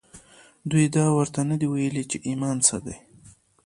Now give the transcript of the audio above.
دوی دا ورته نه دي ويلي چې ايمان څه دی.